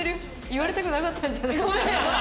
言われたくなかったんじゃ。